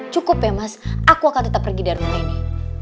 cukup ya mas aku akan tetap pergi dari rumah ini